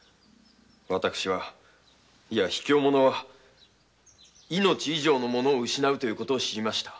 私はいやひきょう者は命以上のものを失うという事を知りました。